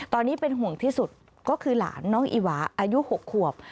ตอนนี้เป็นห่วงที่สุดก็คือหลานน้องอีหวาอายุ๖ขวบ